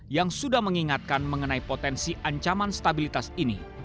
yang sudah mengingatkan mengenai potensi ancaman stabilitas ini